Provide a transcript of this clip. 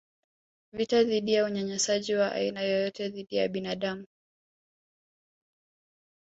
vita dhidi ya unyanyasaji wa aina yoyote dhidi ya binadamu